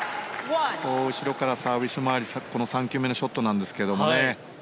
後ろからサービスもありこの３球目のショットなんですけどもね。